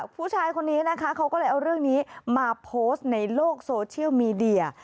ผู้ชายคนนี้นะคะเขาก็เลยเอาเรื่องนี้มาโพสต์ในโลกโซเชียลมีเดีย